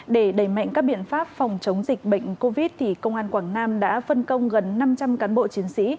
để đẩy mạnh các biện pháp phòng chống dịch bệnh covid công an quảng nam đã phân công gần năm trăm linh cán bộ chiến sĩ